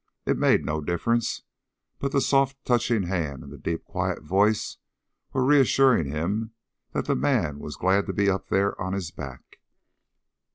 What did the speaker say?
It made no difference; but the soft touching hand and the deep, quiet voice were assuring him that the man was glad to be up there on his back.